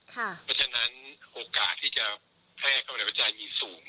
เพราะฉะนั้นโอกาสที่จะแพร่เข้ามาในประเทศอื่นบ้านมีสูง